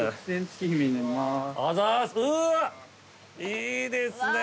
いいですね。